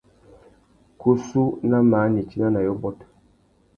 Kussú nà măh nitina nà yôbôt.